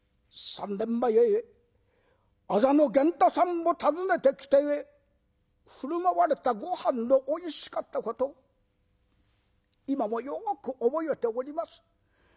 ３年前あざの源太さんを訪ねてきて振る舞われたごはんのおいしかったこと今もよく覚えております。